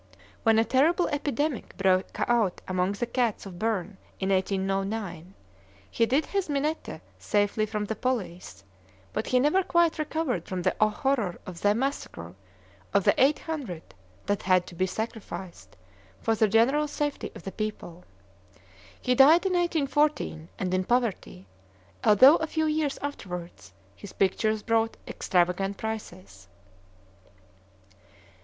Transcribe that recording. When a terrible epidemic broke out among the cats of Berne in 1809, he hid his Minette safely from the police, but he never quite recovered from the horror of the massacre of the eight hundred that had to be sacrificed for the general safety of the people. He died in 1814, and in poverty, although a few years afterward his pictures brought extravagant prices.